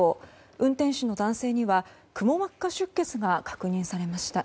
運転手の男性にはくも膜下出血が確認されました。